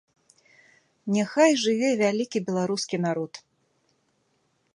Няхай жыве вялікі беларускі народ!